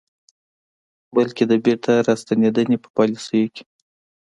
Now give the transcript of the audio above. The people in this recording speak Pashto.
بلکې د بیرته راستنېدنې په پالیسیو کې